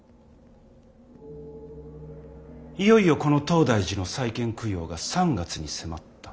いよいよこの東大寺の再建供養が３月に迫った。